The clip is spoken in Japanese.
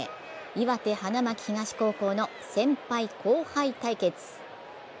岩手・花巻東高校の先輩・後輩対決。